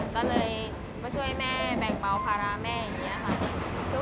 ก็เลยมาช่วยแม่แบ่งเบาภาระแม่อย่างนี้ค่ะ